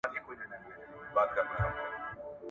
ايا ته کتابونه وړې،